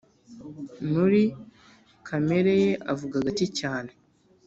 Muri kamereye avuga gake cyane